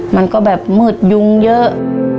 มันก็แบบมืดยุงเยอะ